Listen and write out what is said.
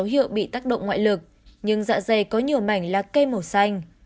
nạn nhân có dấu hiệu bị tác động ngoại lực nhưng dạ dày có nhiều mảnh là cây màu xanh